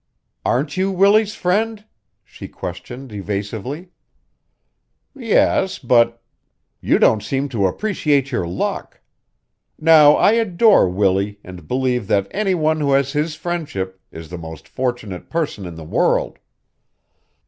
"Aren't you Willie's friend?" she questioned evasively. "Yes, but " "You don't seem to appreciate your luck. Now I adore Willie and believe that any one who has his friendship is the most fortunate person in the world."